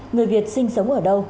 người việt sinh sống ở đâu